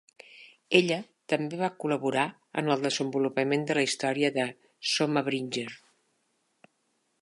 Ella també va col·laborar en el desenvolupament de la història de "Soma Bringer".